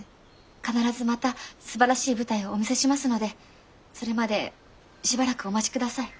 必ずまたすばらしい舞台をお見せしますのでそれまでしばらくお待ちください。